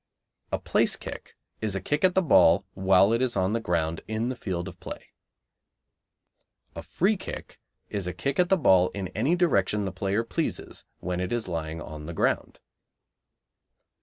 A place kick is a kick at the ball while it is on the ground in the field of play. A free kick is a kick at the ball in any direction the player pleases when it is lying on the ground.